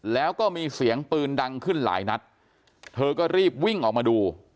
แล้วก็มีเสียงปืนดังขึ้นหลายนัดเธอก็รีบวิ่งออกมาดู